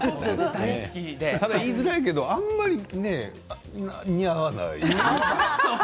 でも言いづらいけどあんまり似合わないよね。